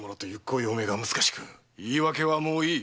言い訳はもういい。